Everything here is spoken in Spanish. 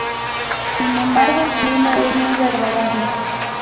Sin embargo el clima es muy agradable.